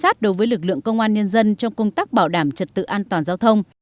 giám sát đối với lực lượng công an nhân dân trong công tác bảo đảm trật tự an toàn giao thông